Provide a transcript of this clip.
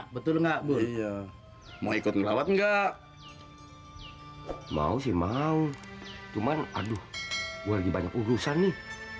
betul enggak mau ikut ngelawat enggak mau sih mau cuman aduh gua lebih banyak urusan nih